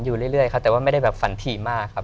คือฝันที่มากครับ